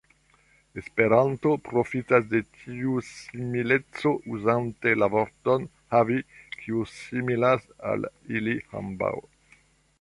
Esperanto profitas de tiu simileco uzante la vorton "havi", kiu similas al ili ambaŭ.